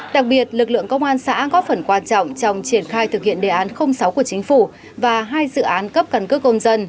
đặc biệt lực lượng công an xã góp phần quan trọng trong triển khai thực hiện đề án sáu của chính phủ và hai dự án cấp cần cước công dân